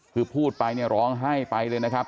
คือพูดไปร้องให้ไปเลยนะครับ